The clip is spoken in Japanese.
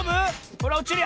ほらおちる。